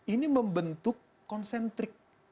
ini membentuk konsentrik